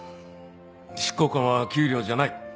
執行官は給料じゃない。